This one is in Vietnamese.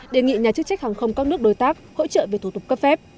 đề nghị nhà chức trách hàng không các nước đối tác hỗ trợ về thủ tục cấp phép